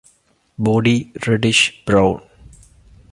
Body reddish brown.